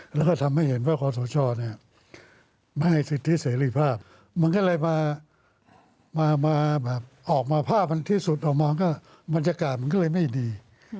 แล้วก็ทำให้เห็นว่าคอสชไม่ให้สิทธิเสรีภาพมันก็เลยมาแบบออกมาภาพมันที่สุดออกมาก็บรรยากาศมันก็เลยไม่ดี